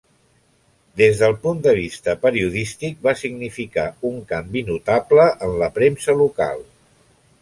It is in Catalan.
Des del punt de vista periodístic va significar un canvi notable en la premsa local.